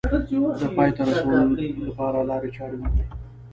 د پای ته رسولو لپاره لارې چارې ومومي